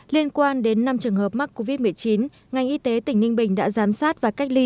liên quan đến năm trường hợp mắc covid một mươi chín ngành y tế tỉnh ninh bình đã giám sát và cách ly